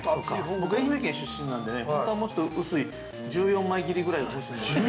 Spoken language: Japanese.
僕、愛媛県出身なんでね、本当はもうちょっと薄い、１４枚切りぐらいが欲しいんですけど。